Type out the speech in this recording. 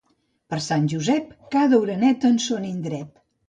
Per Sant Josep, cada oreneta en son indret.